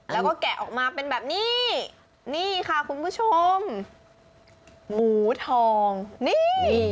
แล้วก็แกะออกมาเป็นแบบนี้นี่ค่ะคุณผู้ชมหมูทองนี่